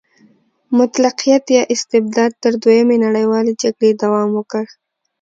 مطلقیت یا استبداد تر دویمې نړیوالې جګړې دوام وکړ.